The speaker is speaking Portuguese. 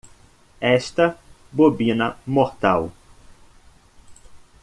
Esta bobina mortal